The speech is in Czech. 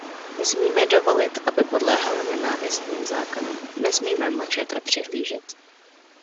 Nesmíme dovolit, aby podléhali nenávistným zákonům, nesmíme mlčet a přihlížet.